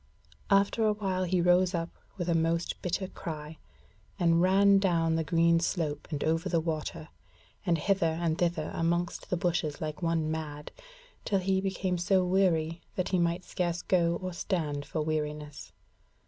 After a while he rose up with a most bitter cry, and ran down the green slope and over the water, and hither and thither amongst the bushes like one mad, till he became so weary that he might scarce go or stand for weariness.